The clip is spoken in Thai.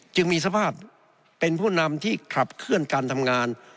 จึงมีสภาพเป็นผู้นำที่ขับเคลื่อนการทำงาน